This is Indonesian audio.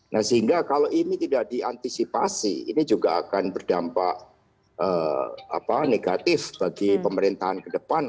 nah sehingga kalau ini tidak diantisipasi ini juga akan berdampak negatif bagi pemerintahan ke depan